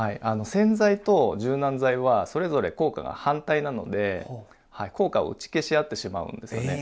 洗剤と柔軟剤はそれぞれ効果が反対なので効果を打ち消し合ってしまうんですよね。